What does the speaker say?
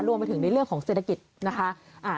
รวมไปถึงในเรื่องของเศรษฐกิจนะคะ